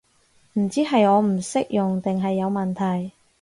唔知係我唔識用定係有問題